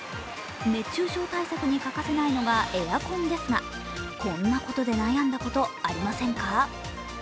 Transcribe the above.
熱中症対策に欠かせないのがエアコンですが、こんなことで悩んだことありませんか？